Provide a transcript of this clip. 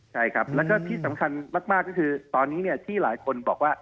ใช่ครับแล้วก็ที่สำคัญมากก็คือตอนนี้ที่หลายคนบอกว่า